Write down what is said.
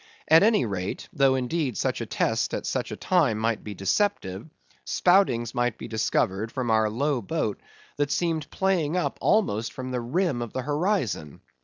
At any rate—though indeed such a test at such a time might be deceptive—spoutings might be discovered from our low boat that seemed playing up almost from the rim of the horizon.